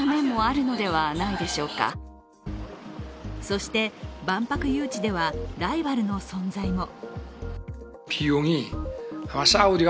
そして万博誘致ではライバルの存在も。